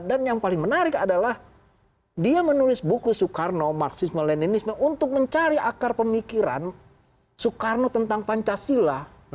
dan yang paling menarik adalah dia menulis buku soekarno marxisme leninisme untuk mencari akar pemikiran soekarno tentang pancasila